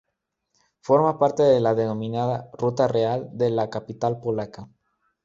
Forma parte de la denominada "Ruta Real" de la capital polaca.